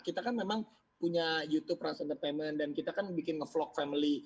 kita kan memang punya youtube rus entertainment dan kita kan bikin nge vlog family